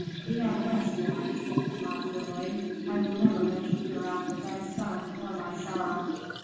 "Be at rest, lord," said Kama, gloomily, "I will never mention hereafter thy son or my sorrow."